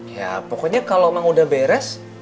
ya pokoknya kalo emang udah beres